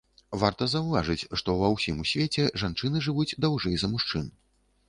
Варта заўважыць, што ва ўсім свеце жанчыны жывуць даўжэй за мужчын.